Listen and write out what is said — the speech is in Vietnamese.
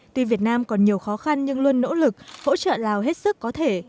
tuy việt nam còn nhiều khó khăn nhưng luôn nỗ lực hỗ trợ lào hết sức có thể